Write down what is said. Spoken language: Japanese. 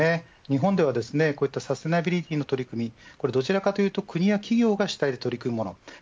日本ではこういったサステナビリティーの取り組みは国や企業が主体で取り組むものです。